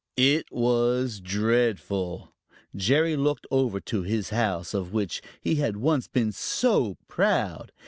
It was dreadful! Jerry looked over to his house, of which he had once been so proud.